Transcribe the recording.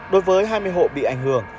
đối với hai mươi hộ bị ảnh hưởng